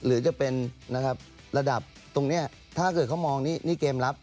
หรือจะเป็นนะครับระดับตรงนี้ถ้าเกิดเขามองนี่เกมรับ